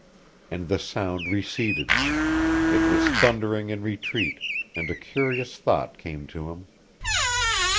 And the sound receded. It was thundering in retreat, and a curious thought came to him.